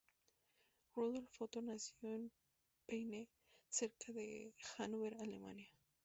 Rudolf Otto nació en Peine, cerca de Hanóver, Alemania.